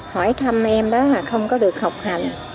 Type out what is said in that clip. hỏi thăm em đó là không có được học hành